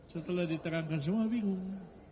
setelah diterangkan semua bingung